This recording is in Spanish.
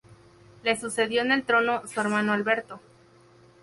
Le sucedió en el trono su hermano Alberto.